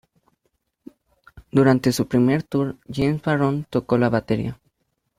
Durante su primer tour, James Barone tocó la batería.